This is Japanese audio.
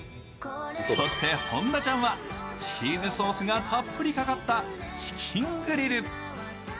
そして、本田ちゃんは、チーズソースがたっぷりかかったチキングリル。